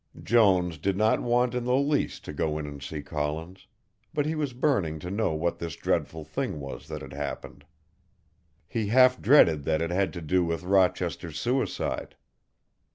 Jones did not want in the least to go in and see Collins, but he was burning to know what this dreadful thing was that had happened. He half dreaded that it had to do with Rochester's suicide.